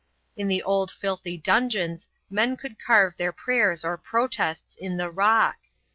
In the old filthy dungeons men could carve their prayers or protests in the rock.